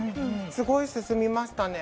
すごい進みましたね。